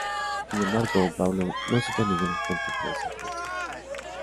Sin embargo, Barlow no cita ninguna fuente para esa información.